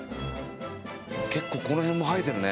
結構この辺も生えてるね。